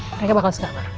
mereka bakal sekamar